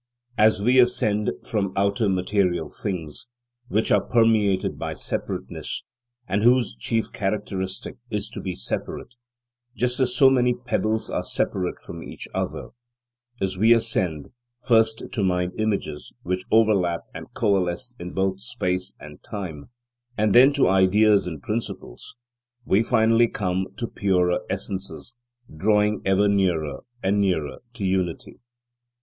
As we ascend from outer material things which are permeated by separateness, and whose chief characteristic is to be separate, just as so many pebbles are separate from each other; as we ascend, first, to mind images, which overlap and coalesce in both space and time, and then to ideas and principles, we finally come to purer essences, drawing ever nearer and nearer to unity.